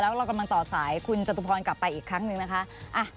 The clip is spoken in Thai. แล้วเรากำลังต่อสายคุณจตุพรกลับไปอีกครั้งหนึ่งนะคะ